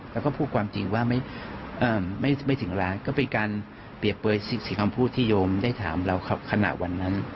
แล้วก็พูดความจริงว่าไม่ถึงร้านก็เป็นการเปรียบเปลยสีคำพูดที่โยมได้ถามเราขณะวันนั้น